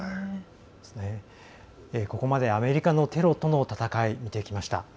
ここまでアメリカのテロとの戦いを見てきました。